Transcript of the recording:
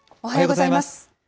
おはようございます。